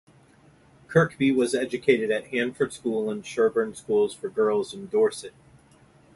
Kirkby was educated at Hanford School and Sherborne School for Girls in Dorset.